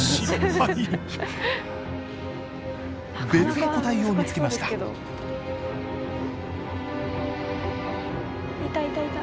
別の個体を見つけましたいたいたいた。